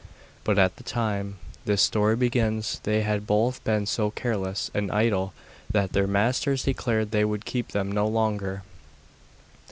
But at the time this story begins they had both been so careless and idle that their masters declared they would keep them no longer.